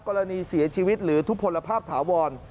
กรณีเสียชีวิตหรือทุกพลภาพถาวร